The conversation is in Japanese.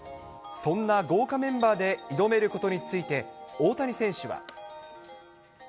そんな豪華メンバーで挑めることについて、大谷選手は。